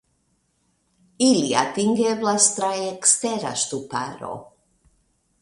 Ili atingeblas tra ekstera ŝtuparo.